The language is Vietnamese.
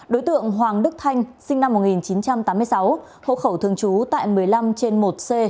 đối tượng hoàng đức thanh sinh năm một nghìn chín trăm tám mươi sáu hộ khẩu thường trú tại một mươi năm trên một c